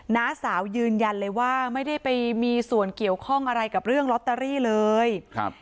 น้าสาวยืนยันเลยว่าไม่ได้ไปมีส่วนเกี่ยวข้องอะไรกับเรื่องลอตเตอรี่เลยครับ